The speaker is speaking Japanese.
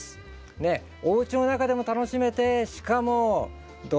ねっおうちの中でも楽しめてしかもドライに。